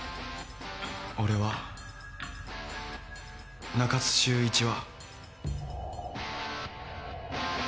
俺は中津秀一は。